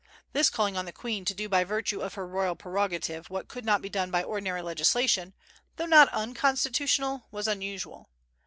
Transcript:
This calling on the Queen to do by virtue of her royal prerogative what could not be done by ordinary legislation, though not unconstitutional, was unusual.